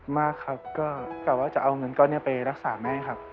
มากครับก็กะว่าจะเอาเงินก้อนนี้ไปรักษาแม่ครับ